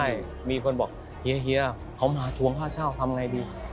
ใช่มีคนบอกเฮียเขามาทวงค่าเช่าทำไงดี